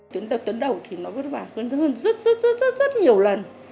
tuyến đầu tuyến đầu thì nó vất vả hơn hơn rất rất rất nhiều lần